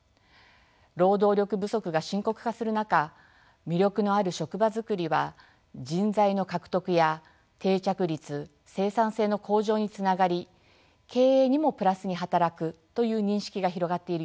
労働力不足が深刻化する中魅力のある職場づくりは人材の獲得や定着率生産性の向上につながり経営にもプラスに働くという認識が広がっているようです。